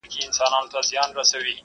ور ناورین یې د کارګه غریب مېله کړه،